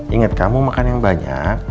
ingat kamu makan yang banyak